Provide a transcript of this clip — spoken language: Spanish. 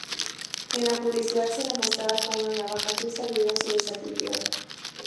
En la publicidad se la mostraba como una navaja suiza debido a su versatilidad.